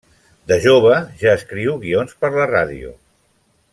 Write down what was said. De jove, ja escriu guions per la ràdio.